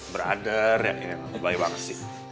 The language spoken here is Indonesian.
brother ya baik banget sih